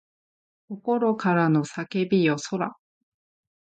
心からの叫びよそら